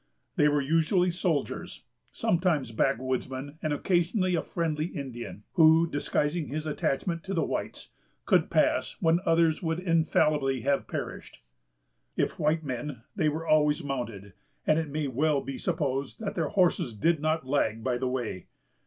They were usually soldiers, sometimes backwoodsmen, and occasionally a friendly Indian, who, disguising his attachment to the whites, could pass when others would infallibly have perished. If white men, they were always mounted; and it may well be supposed that their horses did not lag by the way.